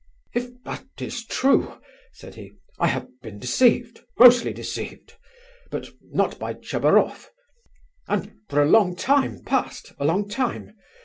"If that is true," said he, "I have been deceived, grossly deceived, but not by Tchebaroff: and for a long time past, a long time.